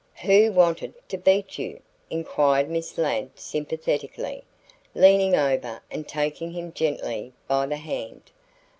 "Who wanted to beat you?" inquired Miss Ladd sympathetically, leaning over and taking him gently by the hand.